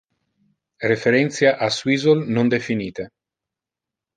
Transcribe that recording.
Referentia a 'swizzle' non definite.